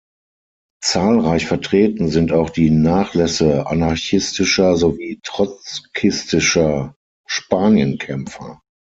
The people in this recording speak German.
Zahlreich vertreten sind auch die Nachlässe anarchistischer sowie trotzkistischer Spanienkämpfer.